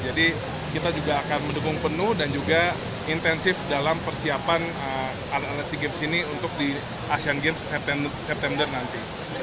jadi kita juga akan mendukung penuh dan juga intensif dalam persiapan alat alat sea games ini untuk di asean games september nanti